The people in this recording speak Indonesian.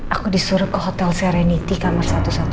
aku disuruh ke hotel sereniti kamar satu ratus dua belas